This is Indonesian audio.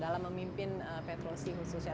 dalam memimpin petrosi khususnya